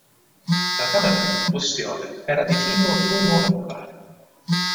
La camera di combustione era di tipo tubo-anulare.